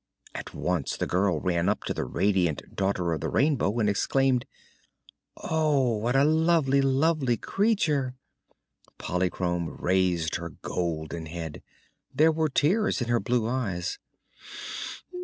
At once the girl ran up to the radiant Daughter of the Rainbow and exclaimed: "Oh, what a lovely, lovely creature!" Polychrome raised her golden head. There were tears in her blue eyes.